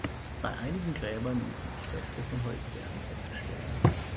Bei einigen Gräbern ließen sich Reste von Holzsärgen feststellen.